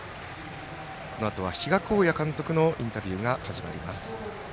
このあとは比嘉公也監督のインタビューが始まります。